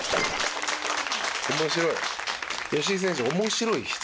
面白い。